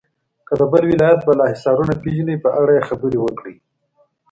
که د بل ولایت بالا حصارونه پیژنئ په اړه یې خبرې وکړئ.